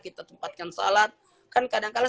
kita tempatkan sholat kan kadang kadang